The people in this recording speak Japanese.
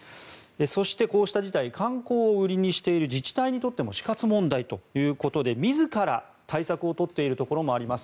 そして、こうした事態観光を売りにしている自治体にとっても死活問題ということで自ら対策を取っているところもあります。